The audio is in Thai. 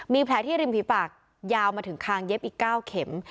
มีแผลที่ริมฝีปากยาวมาถึงคางเย็บอีก๙เข็ม